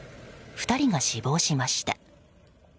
２人が死亡しました。